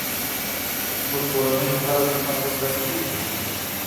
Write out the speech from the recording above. زموږ کورنۍ هره جمعه یو ځای کېږي.